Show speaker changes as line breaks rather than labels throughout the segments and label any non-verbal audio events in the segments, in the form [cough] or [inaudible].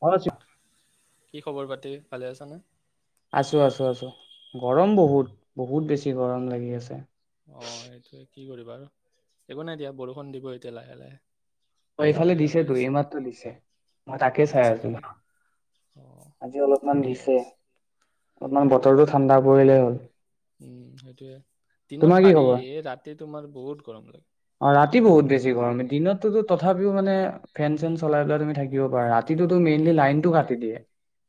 ভাল আছে
কি খবৰ পাতি ভালে আছনে
আছো আছো আছো গৰম বহুত বহুত বেছি গৰম লাগি আছে
অ সেইটোয়ে কি কৰিবা আৰু একো নাই দিয়া বৰষুণ দিব এতিয়া লাহে লাহে
অ এইফালে
ডাৱৰীয়া হৈ
দিছেতো
আহিছে
এইমাত্ৰো দিছে মই তাকে চাই
দিছে
আছো
নেকি? অ
আজি অলপমান
ঠিকে
দিছে
আছে
অলপমান বতৰটো ঠাণ্ডা পৰিলেই হ'ল
উম সেইটোয়ে দিনত
তোমাৰ কি
পাৰি
খবৰ
ৰাতি তোমাৰ বহুত গৰম লাগে
অ ৰাতি বহুত বেছি গৰম দিনততো তথাপিও মানে ফেন চেন চলাই পেলাই তুমি থাকিব পাৰা ৰাতিটোতো মেইনলি লাইনতটো কাটি দিয়ে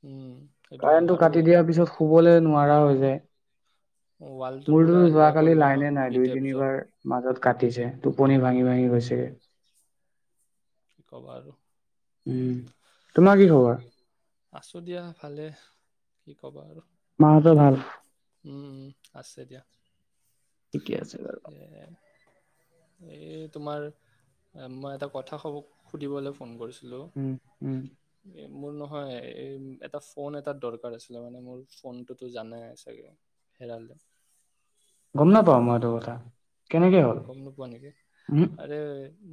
উম সেইটোৱে
কাৰেণ্টটো
আৰু
কাটি দিয়াৰ পিছত শুবলৈ নোৱাৰা হৈ হৈছে কোৱা
ৱালটো পুৰা
মোৰতো
সেয়া
যোৱাকালি
কৰিলে ন
লাইনে নাই
হিট
দুই
এবজৰ।
তিনিবাৰ মাজত কাটিছে টোপনি ভাঙি ভাঙি গৈছেগে
কি কবা আৰু
উম তোমাৰ কি খবৰ
আছো দিয়া ভালে কি কবা আৰু
মোৰটো ভাল
উম উম আছে দিয়া
ঠিকে আছে বাৰু
এ তোমাৰ মই এটা কথা সুধিবলৈ ফোন কৰিছো
উম উম
মোৰ ন হয় এই এটা ফোন এটা দৰকাৰ আছিলে মানে মোৰ ফোনটোতো জানই নাই চাগে হেৰালে
গম নপাওঁ মই এইটো কথা কেনেকে হ'ল?
গম ন পোৱা নেকি
উম,
আৰু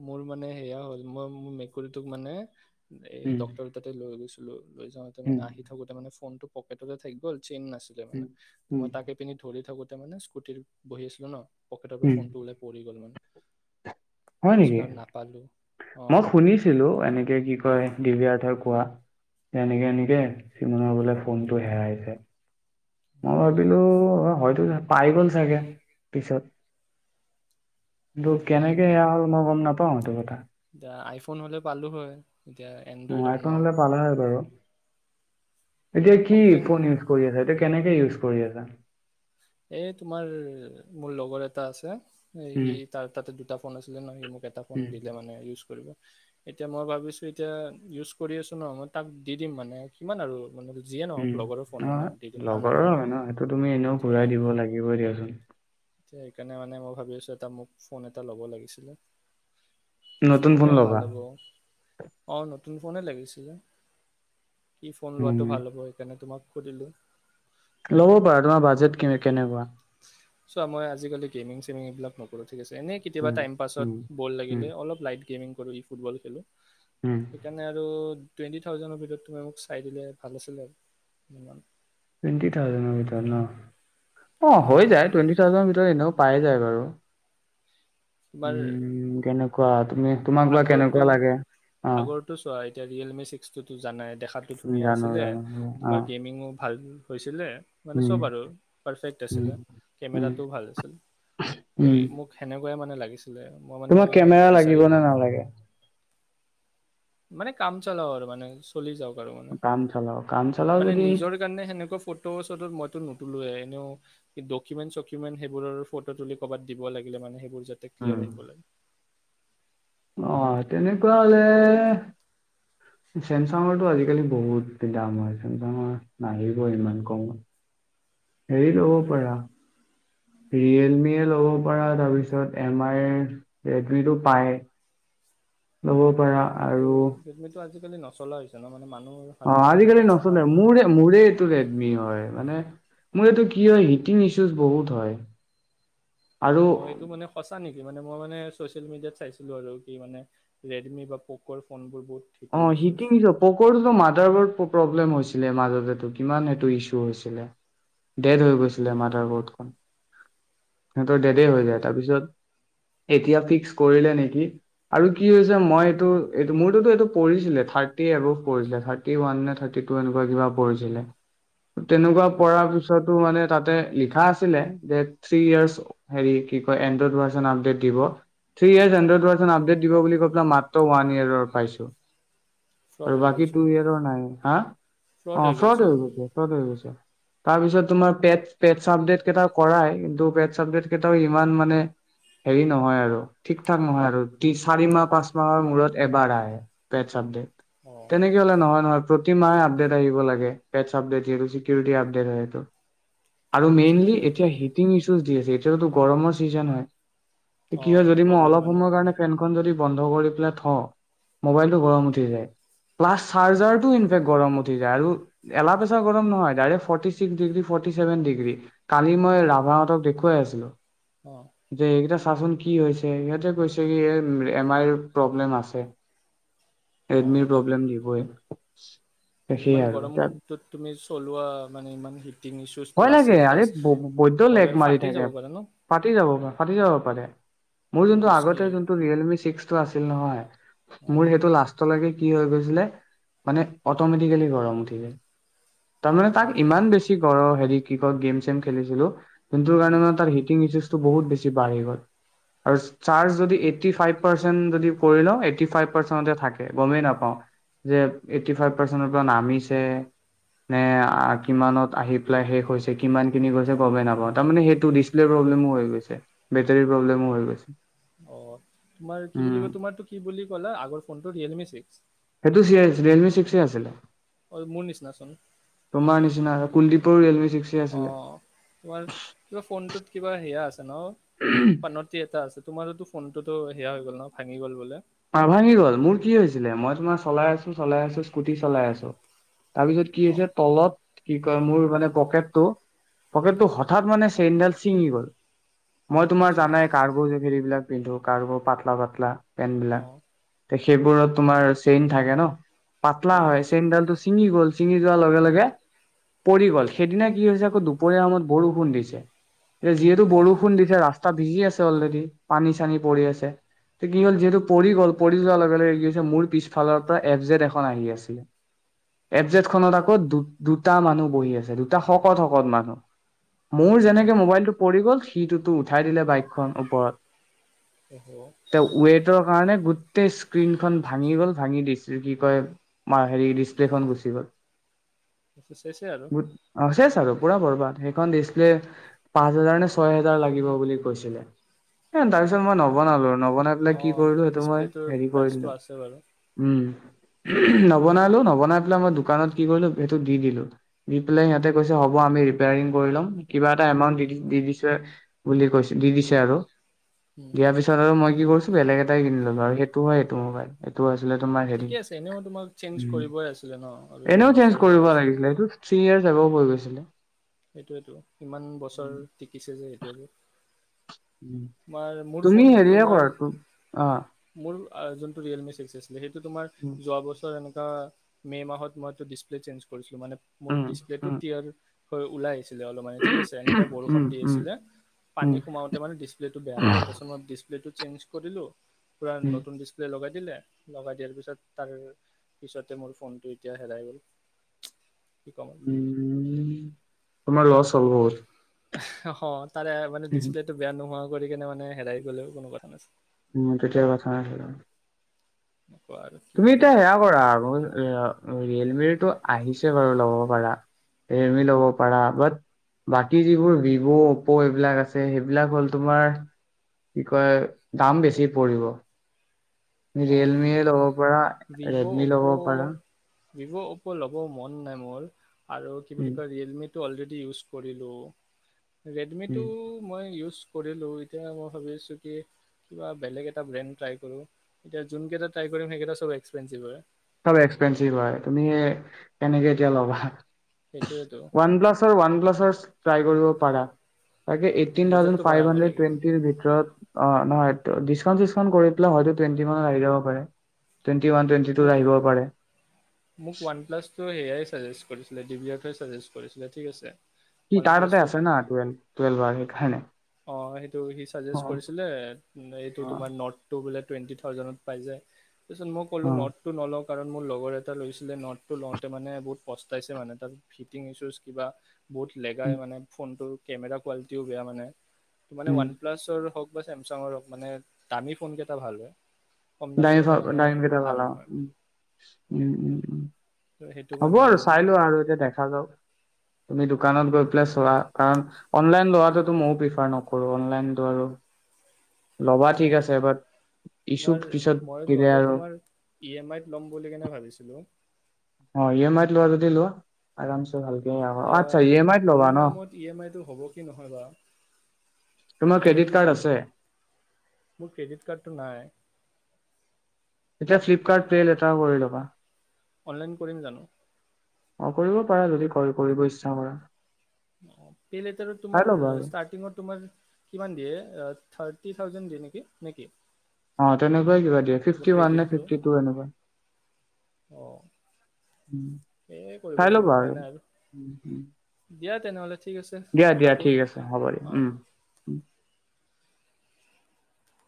মোৰ মানে সেয়া হ'ল মই মোৰ মেকুৰীটোক মানে এই
উম,
ডক্তৰ তাতে লৈ গৈছো হেল্লো লৈ যাওঁতে
উম,
মানে আহি থাকোতে মানে ফোনটো পকেটততে থাকি গ'ল চেইন নাচিলে মানে
উম, উম,
মই তাকে এপিন ধৰি থাকোতে মে স্কটিত বহি আছিলো ন
উম,
ফোনটো ওলোই পৰি গ'ল মান
হয় নেকি
অ
মই শুনিছিলো এনেকে কি কয় ডি বি আৰথাৰ কোৱা যে এনেকে এনেকে চিমনৰ বোলে ফোনটো হেৰাইছে মই
অ
ভাবিলো হয়তো পাই গ'ল চাগে পিছত
অ
তোক
নাই
কেনেকে
নাই
এয়া হ'ল মই গম নাপাও সটো কথা
ফোন হলে পালো হয় এতিয়া
উ
এণ্ড্ৰইড হয় ন
আইফোন হলে পালা হয় বাৰু এতিয়া কি ফোন
কমপ্লেইন
ইউজ কৰি আছ এতিয়া কেনেকে ইউজ কৰি আছা
এ তোমাৰ মোৰ লগৰ এটা আছে সি
উম,
ত তাতে দুটা ফোন আছিলে ন হি মোক এটা ফোন
উম,
দিলে মানে ইউজ কৰিব এতিয়া মই ভাবিছো এতিয়া ইউজ কৰি আছো ন মই তাক দি দিম মানে কিমান আৰু মানে যিয়ে নহওঁক
উম,
লগৰো ফোন হয় ন
অ',
দি দিম ভাল
লগৰৰ
নালাগে ন
হয় সেইটো তুমি এনেও ঘূৰাই দিব লাগিবই দিয়াচোন
এয়া সেইকাৰণে মানে মই ভাবি আছো এটা মোক ফোন এটা ল'ব লাগিছিলে কি
নতুন
ফোন লোৱা
ল'বা
ভাল হ'ব অ নতুন নতুন ফোনে লাগিছিলে কি ফোন লোৱাটো
উম,
ভাল হ'ব সেইকাৰণে তোমাক সুধিলোঁ
লবা ৰবা তোমাৰ বাজেট কি কেনেকুৱা
চ' মই আজিকালি গেমিং চেমিং এইবাক নকৰো ঠিক আছে এনে কেতিয়াবা
উম,
টাইম পাছত
উম,
বল
উম,
লাগিলে অলপ লাট গেম আৰু ই ফুটবল খেলোঁ
উম।
সেইকাৰণে আৰু টুৱেণ্টি থাউজেণ্ডৰ ভিতৰত তুমি মোক চাই দিলে ভাল আছিলে আৰু যমান
টেণ্টি থাউজণ্ডৰ ভিতৰত ন অ হৈ
অ'
যায় টুৱেণ্টি থাউজেণ্ড ভিতৰত এনেকও পাই যায় আৰু
তোমাৰ
উম কেনে কোৱা তুমি তোমাক বা কেনেকুৱা লাগে অ
এতি ৰিয়েলমি ছ্স ট টো জানাই দেখাটো
উম,
ধুনীয়া
জানো
আছিলে
জানো
তোমাৰ
অ'।
গেমিঙো ভাল হৈছিলে মানে
উম,
চব আৰু আ
উম, উম।
কেমেটো ভাল আছিল
উম,
মোক সেনেকুৱাই মানে ছিল মই মানে
তোমাক কেমেৰা লাগিব
বিচাৰি পোৱা
নে
নাই
নালাগে?
মানে কাম চালাও আৰু মানে চলি যাওক
কাম চলাও কাম চলাও
মানে
যদি
নিজৰ কাৰণে সেনেকুৱা ফটো চটো মৈতো নো এইবোৰ এনেও ডকুমেট চকুমেণ্ট সেইবোৰৰ ফটো তুলি ক'বাত দিব লাগিল মানে সেইবোৰ যাতে ক্লিয়াৰ কৰে
আহ তেনেকুৱা হলে চেমচাঙৰটো আজিকালি বহুত দাম হয় চেমচাঙৰ নাহিব ইমান কমত হেৰি ল'ব
সেইটোৱেটো।
পাৰা ৰিয়েলমিয়ে ল'ব পাৰা তাৰপিছত এম আইৰ ৰেডমিটো পায় ল'ব পাৰা
ৰেডমি টো
আৰু
ৰেডমি টো আজিকালি নচলা হৈছে ন মানে মানুহৰ
অ
হাতত তেনেকুৱা
আজিকালি
দেখাও
নচলে
নাই।
মোৰে মোৰে এইটো ৰেডমি হয় মানে মোৰ এইটো কি হয় হিটিং ইছুজ বহুত হয় আৰু
অ এইেইটো মানে সঁচা নেকি কি মানে মই মানে চচিয়েল মিডিয়াত চাইছিলো আৰু কি মানে ৰেডমি বা প'কৰ' ফোন বোৰ বহুত
অ
হিটিং ইছ্যুজ
শিকিছ পকৰটোতো মাৰ্লেম মই চিনেমাৰ আগতে কিমান সেই টো ইচু হৈ ছিলে ডেড আধা খন সিহঁতৰ ডেডে
অ
হৈ যায় তাৰপিছত এতিয়া ফিক্স কৰিলে নেকি আৰু কি হৈছে মই এইটো এইটো মোৰতোতো এইটো পৰিছিলে থাৰ্টি এবভ পৰিছিলে থাৰ্টি ওৱান নে থাৰ্টি টু এনেকুৱা কিবা পৰিছিলে তেনেকুৱা
অ
পাৰা পিছত তাতে লিখা আছিলে যে থ্ৰী য়েৰ্ছ হেৰি কি কয় এণ্ড্ৰইড ভাৰ্ছন আপডেট দিব three years android version update দিব বুলি কৈ পেলাই মাত্ৰ ওৱান ইয়াৰৰ পাইছো
ফ্ৰড
আৰু
হৈ
বাকী
গ'লচোন
টো ইয়াৰৰ নাই হা
ফ্ৰড
অ
হৈ
ফ্ৰদ
গ'লচোন
হৈ গৈছে তাৰ পিছত তোমাৰ পে পেপচ আপডেট কেইটা কৰাই কিন্তু পেপচ আপডেট কেইটাও ইমান মানে হেৰি নহয় আৰু ঠিকঠাক নহয় আৰু চাৰি মাহ পাঁচ মাহৰ মূৰত এবাৰ আহে। পেপচ আপডেট
অ
তেনেকে হলে নহয় নহয় প্ৰতি মাহে আপডেট আহিব লাগে পেপছ আপডেট দিয়ে কি আপডেট হয় এইটো আৰু মেইনলি
ছিকিউৰিটি
এতিয়া হিটিং ইছুজ দি আছে যিহেতো গৰমৰ ছিজন হয়
অ
কি হয় যদি মই
প্ৰব্লেম
অলপ
হয় ন
সময়ৰ কাৰণে ফেনখনন যদি বন্ধ কৰি পেলাই থ মোবাইল গৰম উঠি যায় প্লাচ চাৰ্জাৰটো ইনফেক্ট গৰম উঠি যায় আৰু এলাপেচা গৰম নহয় direct forty six ডিগ forty seven degree কালি মই ৰাভাহঁতক দেখুৱাই আছিলো
অ
যে এইটা চা চোন কি হৈছে সিহঁতে কৈছে কি এম আইৰ প্ৰব্লেম আছে
অ
এডমিৰ প্ৰব্লেম দিবই [unintelligible] সেই
ইমান
আৰু তাত
গৰমটোত তুমি চলোৱা মানে ইমান হিটিং ইছ্যুজটো
ভয়
আছে
লাগে আৰে
প্লাছ
বৈ্দ
হ'লে
লেগ মাৰি
ফাটি যাব
থাকে
পাৰে ন
ফাটি যাব পা ফাটি যাব পাৰে মোৰ
বহুত
যোনটো
ৰিস্কি
আগতে যোনটো ৰিয়েল মি ছিক্স টু আছিল নহয়
অঁ
মোৰ সেইটো লাষ্টলৈকে কি হৈ গৈছিলে মানে অটমেটিকেলি গৰম উঠি যায় তাৰমানে তাক
অঁ
ইমান বেছি হেৰি কি ক গেম চেম খেলিছিলো কিন্ত কাৰণে হিটিং বহুত বেছি ভাল হৈ গল চাৰ্জ যদি এইটী ফাইভ পাৰ্চন যদি থাকে গমে নাপাও যে এইটী ফাইভ পাৰ্চনৰ পৰা নামিছে নে আৰু কিমান আহি পেলাই শেষ হৈছে কিমান কিনি গৈছে গব নাপাওঁ তাৰমানানে সেইটো ডিছপ্লেৰ প্ৰব্লেমো হৈ গৈছে বেটৰীৰ প্ৰব্লেমো হৈ গৈছে
অ তোমাৰ কি বুলি
উম
ক তোমাৰো কি বুলি ক'লা আগৰ ফোনটো ৰিয়েলমি
সেইটো
ছিক্স
ৰিয়েলমি ছিক্সে আছিলে
অ মোৰ নিচিনাচোন।
মন্দিপৰ ৰিলমি
অ তোমাৰ কিবা ফোনটোত কিবা সেয়া আছে। ন পানটি এটা আছ তোমাৰতো ফোনটো সেয়া হৈ গল ন ভাঙি গ'ল বলে
পা ভাঙি গল মোৰ কি হৈছিলে মই তোমাৰ চলাই আছো চলাই আছো স্কুটি চলাই আছো তাৰপিছত কি
অঁ
হৈছে তলত কি কয় মোৰ মানে পকেটটো পকেটটো হঠাৎ মানে চেইনডাল ছিঙি গ'ল মই তোমাৰ
আচ্ছা
জানাই কাৰ গোজ ফে এইবিলাক পিন্ধো কাৰোবাৰ পাতলা পাতলা পেন
অঁ
তে সেইবোৰত তোমাৰ চেইন থাকে ন পাতলা
উম উম,
হয় চেনডালটো চি চিঙি গল চিঙি যোৱাৰ লগে লগে পৰি গল সেইদিনা কি হৈছে আকৌ দুপৰীয়া সময়ত বৰষুণ দিছে এ যিহেতু
অঁ
বৰষুণ দিছে ৰাস্তা ভিজি আছে অলৰেডি পানী চানী পৰি আছে ত কি হ'ল যিহেতু পৰি গ'ল পৰি যোৱাৰ লগে লগে কি হৈছে মোৰ পিছফালৰ পৰা এফজেট এখন আহি আছিলে এফজেটখনত আকৌ দু দুটা মানুহ বহি আছে দুটা শকত শকত মানুহ মোৰ
আচ্ছা
যেনেকে মোবাইলটো পৰি গ'ল সিটোতো উঠাই দিলে বাইকখন ওপৰত
অহ হঅ
মানে গোটেই স্ক্ৰীন খন ভাঙি গ'ল ভাঙি ডিচ কি কয় হেৰি ডিচপ্লেখন গুচি গ'ল
আছ শেষে আৰু
চেচ পুৰা বৰবাদ সেইখন ডিছপ্লে পাঁচ হাজাৰ নে ছয় হোজাৰ লাগিব বুলি কৈছিলে তাৰ পিছত মই নবনালো নবনাই পিনে কি
অ',
কৰিলো তোমাৰ
ডিচপ্লেটোৰ
হেৰি
প্ৰাইচটো
কৰিললো
আছে বাৰু।
উম নবনালো নবনাই পেলাই মই দোকানত কি কৰিলো সেইটো দি দিলো দি পেলাই সিহঁতে কৈছে হ'ব আমি ৰিপিয়াৰিং কৰি লম কিবা এটা এমাউন্ট দি দিছে বুলি কৈছে দি দিছে আৰু
উম,
দিয়াৰ পিছত আৰু মই কি কৰিছো বেলেগ এটা এটা কিনি ললো আৰু সেইটো হয় এইটো মোবাইল সেইটো আ কি কয় তোমাৰ হেৰি
ঠিকে আছে এনেও তোমাক চেঞ্জ
উম
কৰিবই আছিলে ন' আৰু
এনেও
ইমান
চেঞ্জ
বছৰ হৈ
কৰিব
গৈছে।
লাগিছিলে এইটো চলিয়েই জাব বুলি আছিলে
সেইটোৱেইটো ইমান বছৰ টিকিছে যে সেইটোৱেই বহুত
উম তুমি হেৰিয়ে কৰা তোক অ
আৰু যোনটো ৰিয়েলমি চলিছে, সেইটো তোমাৰ
উম,
যোৱা বছৰ এনে অ মে' মাহত মইটো ডিচপ্লে চেঞ্জ কৰিছিলো মানে মোৰ
উম,
ডিচপ্লেটো
উম,
তিয়ালো হয় ওলাইছো মানে ঠিক আছে এনেকে বৰষুণ
উম,
দি
উম,
আছিলে পানী
উম,
সোমাওতে মানে ডিচপ্লে সেটো বেয়া হৈ গ'ল।
উম,
তাৰপাছত মই ডিচ এইটো চেঞ্জ কৰিলো পুৰা নতুন ডিছপ্লে লগাই দিলে লগাই দিয়াৰ পিছত তাৰ পিছতে মোৰ ফোনটো এতিয়া হেৰাই গ'ল কি ক'ম
উম তোমাৰ লচ চলবজ
হয় তাৰে মানে ডিছপ্লে টো বেয়া নোহোৱা কৰি কেনে মানে হেৰাই গ'লেও কোনো কথা নাছিলে
উম তেতিয়াৰ কথা নাছিলে
এনেকুৱা আৰু কি
তুমি
ক'বা
এতিয়া সেয়া কৰা আৰু ৰিয়েলমিৰ টো আহিছে বাৰু ল'ব পাৰা ৰেডমি ল'ব পাৰা বাট বাকী যিবোৰ ভিভ' অপ্প' এইবিলাক আছে সেইবিলাক হ'ল তোমাৰ কি কয় দাম বেছি পৰিব
অ'
ৰিয়েলমিয়ে ল'ব
ভিভ'
পাৰা ৰেডমি ল'ব পাৰা
বিভ' অপ ল'ব মন নাই মোৰ আৰু কি বুলি
উম,
কয় ৰিয়েলমি অলৰেডি ইউজ কৰিলো ৰেডমিটো
উম,
মই ইউজ কৰিলোঁ এতিয়া মই ভাবিছোঁ কি কিবা বেলেগ এটা ব্ৰেণ্ড ট্ৰাই কৰোঁ এতিয়া যোনকেইটা ট্ৰাই কৰিমেইটা চব একসেনঞ্চিভ হয়
চব এক্সপেঞ্চিভ হয় তুমি কেনেকে এতিয়া ল'বা
সেইটোৱেতো
ৱান প্লাছাৰ ৱান প্লাছৰ ট্ৰাই কৰিব পাৰা তাকে এইটিন থাউজেন
বাজেটটো
ফাইভ
বঢ়াব
হাড্ৰেড
লাগিব
টুৱেটিৰ ভিতৰত অ নহয় ডিছকাউণ্ট চিছকাউণ্ট কৰিপেলাই হইটো টুৱেন্টি মানত আহি যাব পাৰে টুৱেন্টি ৱান টুৱেন্টি টো
মোক ৱান প্লাছ টো সেইয়াই চাজেষ্ট কৰিছিলে দিবিয়া ফেচ সাজেষ্ট কৰিছিলে ঠিক আছে
কি
ওৱান
তাৰ ততে
প্লাছটোত
আছে না টোৱেল হয়নে
অ সেইটো সি সাজেষ্ট কৰি ছিলে এইটো
অ
তোমাৰ নত টো বোলে টুৱেণ্টি থাউজেনত পাই যায় তাৰপিছ মই
অ
কলো নট টো নলওঁ কাৰণ মোৰ লগৰ এটা লৈছিলে নটটো লওঁতে মানে বহুত পস্তাইছে মানে তাত ফিটিং ইছুজ কিবা বহুত
উম
লেগাই মানে ফোনটো কেমেৰা কোৱালিটিও বেয়া মানে মানে
উম
ওৱান প্লাছৰ হওক বা চেমচাঙৰ মানে দামী ফোন কেইটা ভাল হয় কম দামী
ডাই
কেইটা মানে
ডাইং কেইটা ভাল আৰু
নহয়
উ উম উম উ
ত সেইটো
হ'ব
কাৰণে
আৰু চাই লোৱা আৰু এতিয়া দেখা যাওক তুমি দোকানত গৈ পেলাই চোৱা কাৰণ অনলাইন লোৱাটোতো ময়ো প্ৰিফাৰ নকৰো অনলাইন টো আৰু ল'বা ঠিক
অঁ
আছে বাট ইছ্যু
তোমাৰ
পিছত
মই
দিলে
ললে
আৰু
তোমাৰ ই এম আইত ল'ম বুলি কেনে ভাবিছিলো
অঁ ই এম আইত লোৱা যদি লোৱা আৰাম চে ভালকে আচ্ছা ই এম আইত ল'বা ন
টো হ'ব কি নহয় বাৰু
তোমাৰ ক্ৰেডিট কাৰ্ড আছে
মোৰ ক্ৰেডিট কাৰ্ডটো নাই
এতিয়া ফ্লিপকাৰ্ট পে লেটাৰ কৰি ল'বা
অনলাইন কৰিম জানো
অ কৰিব পাৰা যদি কৰি কৰিব ইচ্ছা কৰা
পে লেটাৰত
চাই
তোমাৰ
ল'বা আৰু
ষ্টাৰ্টিংত তোমাৰ কিমান দিয়ে ৰ্তি থাউজেণ্ড দিয়ে নেকি নে কি
অঁ তেনেকুৱাই কিবা দিয়ে ফিফটি ওৱান নে ফিফটি টু এনেকুৱা
অঁ
উম্
সেয়ে কৰিব
চাই
লাগিব
লবা
উপায়
আৰু
নাই
উম্ উম্
দিয়া তেনেহ'লে ঠিক আছে
দিয়া দিয়া
ৰাখোঁ
ঠিক আছে হ'ব দিয়া
অঁ
উম